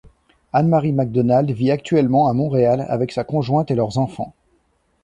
Ann-Marie MacDonald vit actuellement à Montréal avec sa conjointe et leurs enfants.